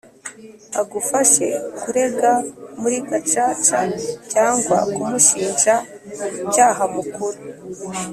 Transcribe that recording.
agufashe kurega muri gacaca cyangwa ku mushinja cyaha mukuru.